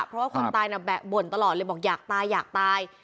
เพราะว่าคนตายน่ะแบะบ่นตลอดเลยบอกอยากตายอยากตาย